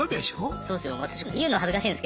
そうっすよ。